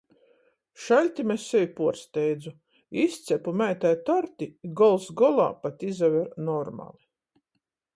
Šaļtim es sevi puorsteidzu. Izcepu meitai torti, i gols golā pat izaver normali.